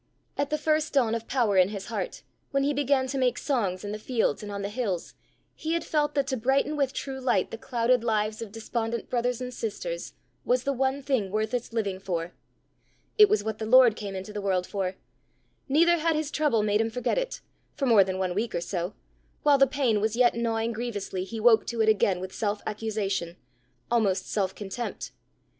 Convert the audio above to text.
At the first dawn of power in his heart, when he began to make songs in the fields and on the hills, he had felt that to brighten with true light the clouded lives of despondent brothers and sisters was the one thing worthest living for: it was what the Lord came into the world for; neither had his trouble made him forget it for more than one week or so: while the pain was yet gnawing grievously, he woke to it again with self accusation almost self contempt.